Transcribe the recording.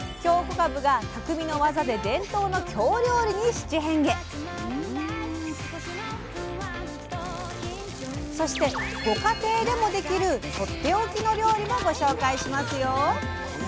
かぶが匠の技でそしてご家庭でもできるとっておきの料理もご紹介しますよ。